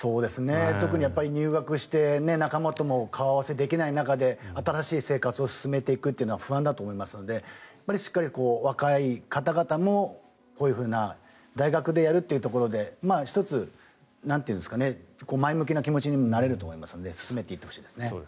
特に入学して仲間とも顔合わせできない中で新しい生活を進めていくのは不安だと思いますのでしっかり若い方々もこういうふうな大学でやるというところで１つ、前向きな気持ちにもなれると思いますので進めていってほしいですね。